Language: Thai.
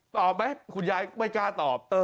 ตอบไหมคุณยายไม่กล้าตอบ